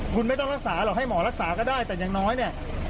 คุณไม่ต้องรักษาหรอกให้หมอรักษาก็ได้แต่อย่างน้อยเนี่ย